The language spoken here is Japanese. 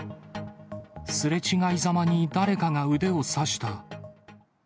すれ違いざまに誰かが腕を刺した。